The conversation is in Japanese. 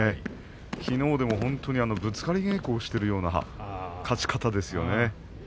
きのうも、ぶつかり稽古をしているような勝ち方ですよね。